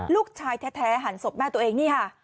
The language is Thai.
ลูกชายแท้หันศพแม่ตัวเองนี่ค่ะ